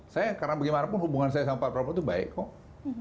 saya karena bagaimanapun hubungan saya sama pak prabowo itu baik kok